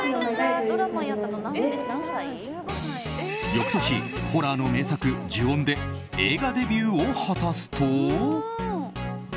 翌年、ホラーの名作「呪怨」で映画デビューを果たすと。